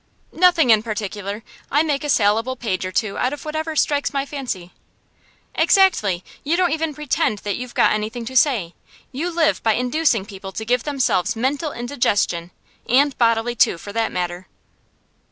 'Nothing in particular. I make a salable page or two out of whatever strikes my fancy.' 'Exactly! You don't even pretend that you've got anything to say. You live by inducing people to give themselves mental indigestion and bodily, too, for that matter.